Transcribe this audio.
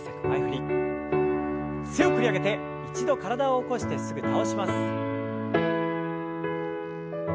強く振り上げて一度体を起こしてすぐ倒します。